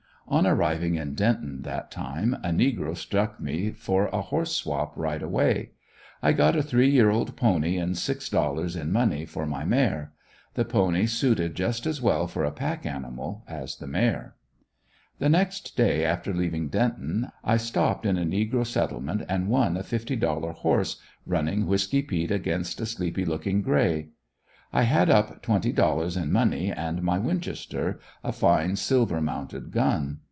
On arriving in Denton that time, a negro struck me for a horse swap right away. I got a three year old pony and six dollars in money for my mare; the pony suited just as well for a pack animal as the mare. The next day after leaving Denton, I stopped in a negro settlement and won a fifty dollar horse, running Whisky peet against a sleepy looking grey. I had up twenty dollars in money and my Winchester, a fine silver mounted gun.